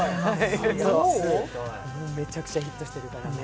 めちゃめちゃヒットしてるからね。